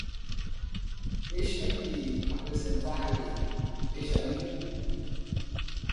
Deixe-me apresentar-lhe Benjamin.